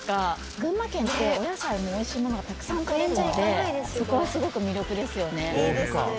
群馬県ってお野菜も美味しいものがたくさんとれるのでそこはすごく魅力ですよね。